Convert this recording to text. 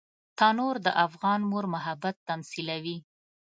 تنور د افغان مور محبت تمثیلوي